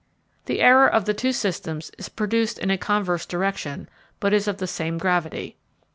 The error of the two systems is produced in a converse direction, but is of the same gravity.